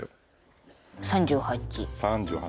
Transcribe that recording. ３８。